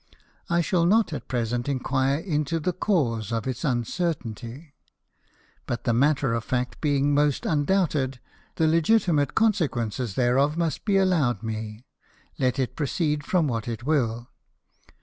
I shall not at present inquire into the Cause of its uncertainty, but the Matter of Fact being most undoubted, the Legitimate Consequences thereof must be allow'd me, let it proceed from what it will.